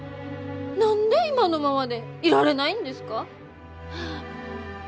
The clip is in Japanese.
何で今のままでいられないんですか？